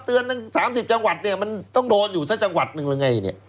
หนึ่ง๓๐จังหวัดเนี่ยมันต้องโดนอยู่สักจังหวัดหนึ่งหรือไงเนี่ย